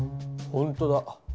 ほんとだ。